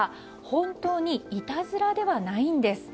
本当にいたずらではないんです。